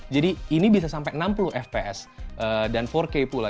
jadi ini bisa sampai enam puluh fps dan empat k pula